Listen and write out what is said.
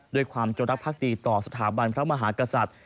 ด้วยความจงรักภักดีต่อสถาบันพระมหากษัตริย์